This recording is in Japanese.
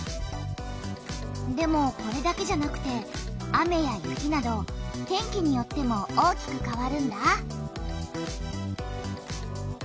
でもこれだけじゃなくて雨や雪など天気によっても大きくかわるんだ。